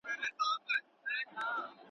برېت ئې ښه برېت دي، خو پر خوشي شونډه ولاړ دئ.